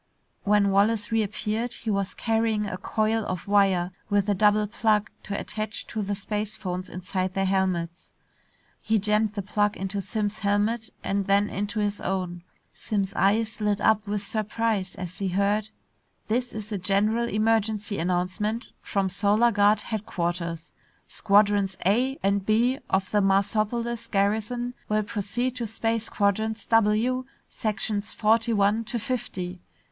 When Wallace reappeared, he was carrying a coil of wire with a double plug to attach to the spacephones inside their helmets. He jammed the plug into Simms' helmet and then into his own. Simms' eyes lit up with surprise as he heard.... "...This is a general emergency announcement from Solar Guard headquarters. Squadrons A and B of the Marsopolis garrison will proceed to space quadrants W, sections forty one to fifty.